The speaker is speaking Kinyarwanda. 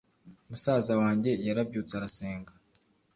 . Musaza wange yarabyutse arasenga